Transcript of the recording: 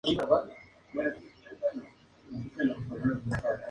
El surf en Portugal se identifica por la calidad de sus olas.